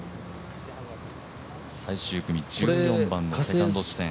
最終組１４番のセカンド地点。